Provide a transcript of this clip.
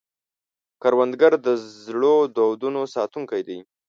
کروندګر د زړو دودونو ساتونکی دی